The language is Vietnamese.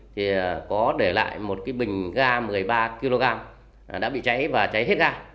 thì có để lại một cái bình ga một mươi ba kg đã bị cháy và cháy hết ga